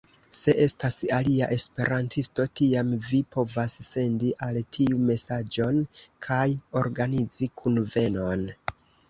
Se estas alia esperantisto, tiam vi povas sendi al tiu mesaĝon kaj organizi kunvenon.